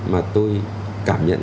mà tôi cảm nhận